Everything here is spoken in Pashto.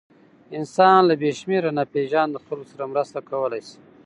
انسان له بېشمېره ناپېژاندو خلکو سره مرسته کولی شي.